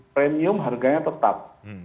premium harganya tetap